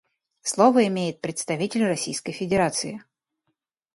Слово имеет представитель Российской Федерации.